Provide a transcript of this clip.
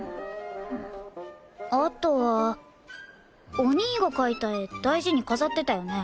あとはお兄が描いた絵大事に飾ってたよね。